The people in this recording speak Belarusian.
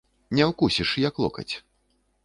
Не ўкусіш, як локаць.